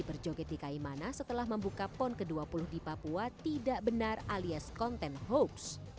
berjoget di kaimana setelah membuka pon ke dua puluh di papua tidak benar alias konten hoax